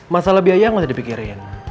masalah biaya gak ada di pikirin